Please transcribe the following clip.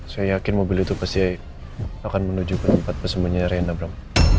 saya yakin mobil itu pasti akan menuju ke tempat pesembunyian rena bram